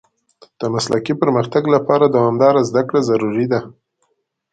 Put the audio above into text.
د مسلکي پرمختګ لپاره دوامداره زده کړه ضروري ده.